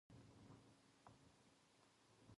動画を撮ることは楽しい。